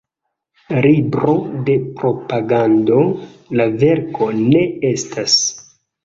Libro de propagando la verko ne estas.